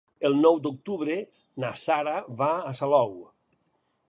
El nou d'octubre na Sara va a Salou.